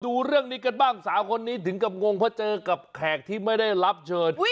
ดูเรื่องนี้กันบ้างสาวคนนี้ถึงกับงงเพราะเจอกับแขกที่ไม่ได้รับเชิญ